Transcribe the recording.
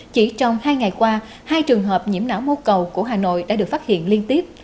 chỉ trong hai ngày qua hai trường hợp nhiễm não mô cầu của hà nội đã được phát hiện liên tiếp